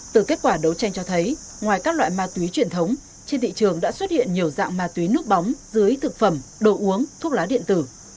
từ kết quả đấu tranh cho thấy ngoài các loại ma túy truyền thống trên thị trường đã xuất hiện nhiều dạng ma túy nước bóng dưới thực phẩm đồ uống thuốc lá điện tử